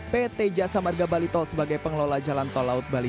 pt jasa marga bali tol sebagai pengelola jalan tol laut bali